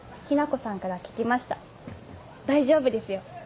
雛子さんから聞きました大丈夫ですよ。